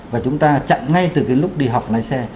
và chúng ta chặn ngay từ cái lúc đi học lái xe